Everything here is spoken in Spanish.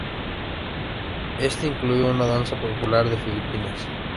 Este incluyó una danza popular de Filipinas.